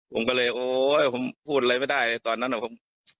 ผมก็เลยโอ๊ยผมพูดอะไรไม่ได้ตอนนั้นนะครับ